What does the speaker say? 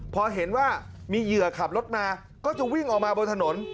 พอเห็นว่ามีเหยื่อขับรถมาก็จะวิ่งออกมาบนถนน